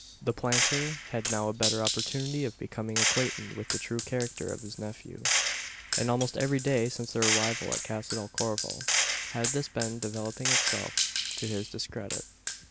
The planter had now a better opportunity of becoming acquainted with the true character of his nephew; and almost every day; since their arrival at Casa del Corvo, had this been developing itself to his discredit.